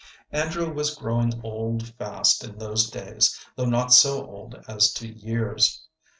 Andrew was growing old fast in those days, though not so old as to years.